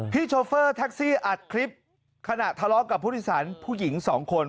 โชเฟอร์แท็กซี่อัดคลิปขณะทะเลาะกับผู้โดยสารผู้หญิงสองคน